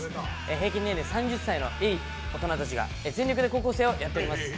平均年齢３０歳のいい大人たちが全力で高校生をやっております。